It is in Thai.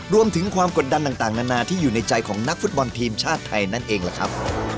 รวมถึงความกดดันต่างนานาที่อยู่ในใจของนักฟุตบอลทีมชาติไทยนั่นเองล่ะครับ